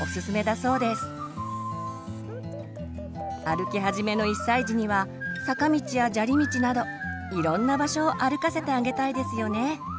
歩き始めの１歳児には坂道や砂利道などいろんな場所を歩かせてあげたいですよね。